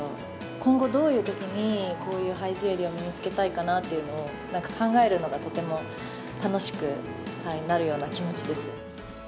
今後どういうときに、こういうハイジュエリーを身に着けたいかなというのを、なんか考えるのがとても楽しくなるような気持ちです。